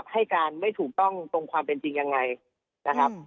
ให้การไม่ถูกต้องตรงความเป็นจริงยังไงนะครับ